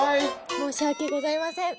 申し訳ございません。